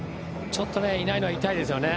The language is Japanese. ちょっといないのは痛いですよね。